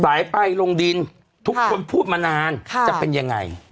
ไปลงดินทุกคนพูดมานานจะเป็นยังไง